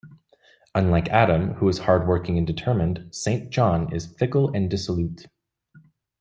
Unlike Adam, who is hard working and determined, Saint John is fickle and dissolute.